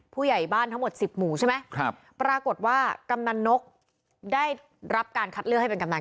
ผู้ใหญ่บ้านทั้งหมด๑๐หมู่ใช่ไหมครับปรากฏว่ากำนันนกได้รับการคัดเลือกให้เป็นกำนัน